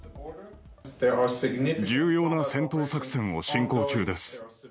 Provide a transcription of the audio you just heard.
重要な戦闘作戦を進行中です。